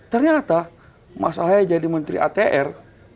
ternyata mas ahaye jadi menteri atr